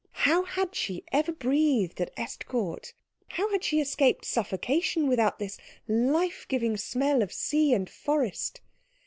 How had she ever breathed at Estcourt? How had she escaped suffocation without this life giving smell of sea and forest?